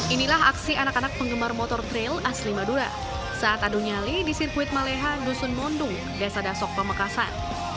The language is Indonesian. inilah aksi anak anak penggemar motor trail asli madura saat adu nyali di sirkuit maleha dusun mondung desa dasok pamekasan